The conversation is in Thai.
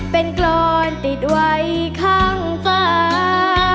เป็นกรอนติดไว้ข้างฟ้า